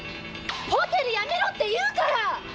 ホテルやめろって言うから！